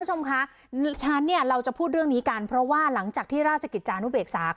ประชัญชาติเราจะพูดเรื่องนี้กันเพราะว่าหลังจากที่ราชกิจจานุเบกษา